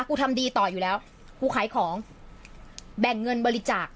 กูทำดีต่ออยู่แล้วกูขายของแบ่งเงินบริจาค